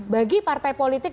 bagi partai politik